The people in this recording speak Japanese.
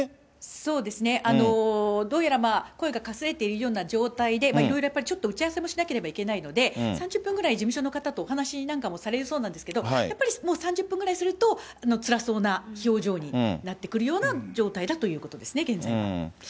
そうですね、どうやら、声がかすれているような状態で、いろいろやっぱり、打ち合わせもしないといけないので、３０分ぐらい、事務所の方とお話しなんかもされるそうですけど、やっぱりもう３０分ぐらいするとつらそうな表情になってくるような状態だということですね、現在は。